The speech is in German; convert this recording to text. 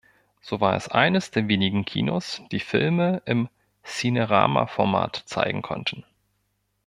So war es eines der wenigen Kinos, die Filme im Cinerama-Format zeigen konnten.